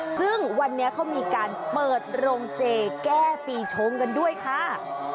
ซึ่งวันนี้เขามีการเปิดโรงเจแก้ปีชงกันด้วยค่ะ